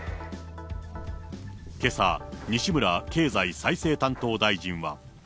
けさ、西村経済再生担当大臣は。